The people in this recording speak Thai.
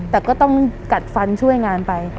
แต่ก็ต้องกัดฟันช่วยงานไป